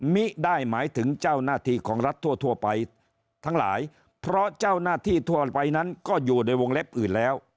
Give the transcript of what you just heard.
มิได้หมายถึงเจ้าหน้าที่ของรัฐทั่วไปทั้งหลายเพราะเจ้าหน้าที่ทั่วไปนั้นก็อยู่ในวงเล็บอื่นแล้ว